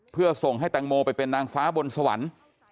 เพื่อส่งให้แตงโมไปเป็นนางฟ้าบนสวรรค์